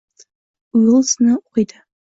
«Uliss»ni o’qiydi